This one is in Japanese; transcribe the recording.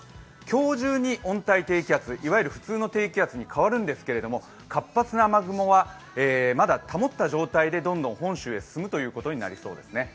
今日中に温帯低気圧、いわゆる普通の低気圧に変わるんですけど活発な雨雲はまだ保った状態でどんどん本州へ進むということになりそうですね。